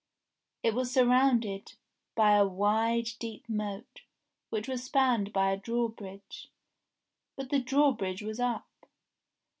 It was surrounded by a wide deep moat, which was spanned by a drawbridge. But the drawbridge was up.